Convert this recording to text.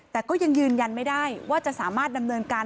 แต่ก็ยังยืนยันไม่ได้ว่าจะสามารถดำเนินการ